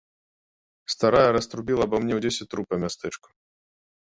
Старая раструбіла аба мне ў дзесяць труб па мястэчку.